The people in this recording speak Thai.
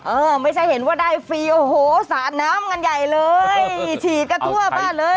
เออไม่ใช่เห็นว่าได้ฟรีโอ้โหสาดน้ำกันใหญ่เลยฉีดกันทั่วบ้านเลย